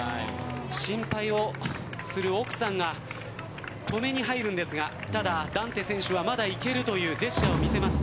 心配をする奥さんが止めに入るんですがただ、ダンテ選手はまだいけるというジェスチャーを見せます。